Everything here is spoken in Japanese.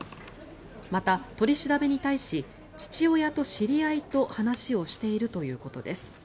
また、取り調べに対し父親と知り合いと話をしているということです。